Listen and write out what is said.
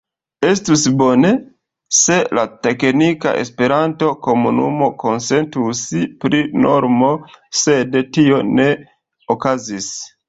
Estus bone, se la teknika Esperanto-komunumo konsentus pri normo, sed tio ne okazis.